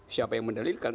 siapa yang mendalilkan